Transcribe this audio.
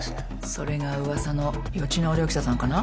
それがうわさの予知能力者さんかな？